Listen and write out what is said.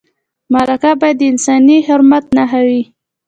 مرکه باید د انساني حرمت نښه وي.